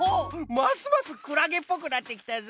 ますますクラゲっぽくなってきたぞ。